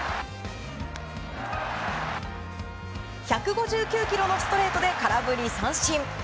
１５９キロのストレートで空振り三振。